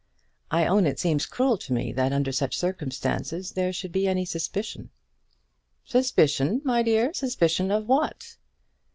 I own it seems cruel to me that under such circumstances there should be any suspicion." "Suspicion, my dear; suspicion of what?"